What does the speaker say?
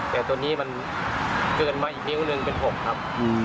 แต่ตัวนี้มันเกินมาอีกนิ้วหนึ่งเป็น๖ครับ